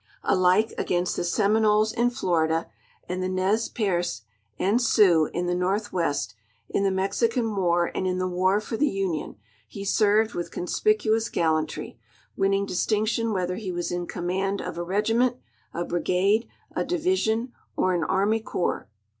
Alike against the Seniinoles in Florida and the Nez Perces and Siou.x in the northwest, in the 3Iexican war and in the war for the Union, he served with conspicuous gallantry, winning distinction whether he was in command of a regiment, a brigade, a division, or an army corps.